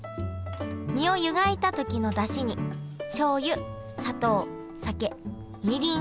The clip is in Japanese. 身を湯がいた時のだしにしょうゆ砂糖酒みりんを投入。